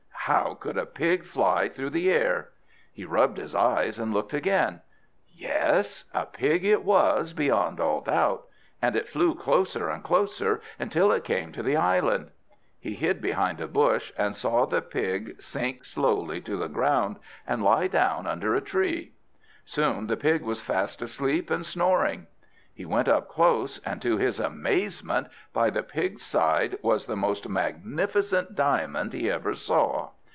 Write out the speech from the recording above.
How could a pig fly through the air? He rubbed his eyes and looked again; yes, a pig it was beyond all doubt; and it flew closer and closer until it came to the island. He hid behind a bush, and saw the pig sink slowly to the ground and lie down under a tree. Soon the pig was fast asleep and snoring. He went up close, and, to his amazement, by the pig's side, was the most magnificent diamond he ever saw.